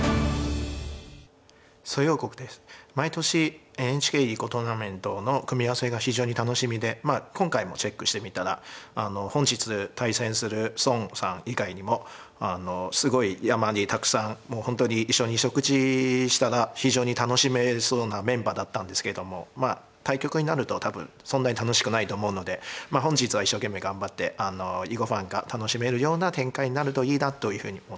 毎年ＮＨＫ囲碁トーナメントの組み合わせが非常に楽しみで今回もチェックしてみたら本日対戦する孫さん以外にもすごい山にたくさん本当に一緒に食事したら非常に楽しめそうなメンバーだったんですけれどもまあ対局になると多分そんなに楽しくないと思うので本日は一生懸命頑張って囲碁ファンが楽しめるような展開になるといいなというふうに思っております。